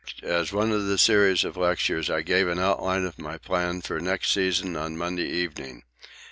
As one of the series of lectures I gave an outline of my plans for next season on Monday evening.